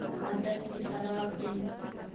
عادت دي خراب دی